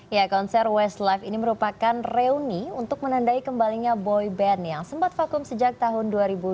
ya konser westlife ini merupakan reuni untuk menandai kembalinya boy band yang sempat vakum sejak tahun dua ribu dua belas